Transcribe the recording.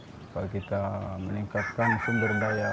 supaya kita meningkatkan sumber daya